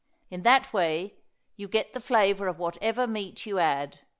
In that way you get the flavor of whatever meat you add.